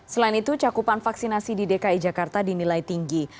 selain itu cakupan vaksinasi di dki jakarta dinilai tinggi